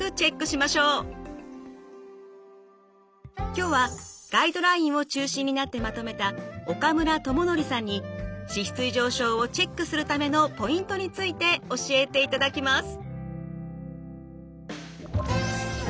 今日はガイドラインを中心になってまとめた岡村智教さんに脂質異常症をチェックするためのポイントについて教えていただきます。